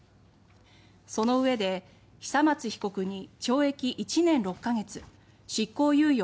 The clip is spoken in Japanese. そのうえで久松被告に懲役１年６か月・執行猶予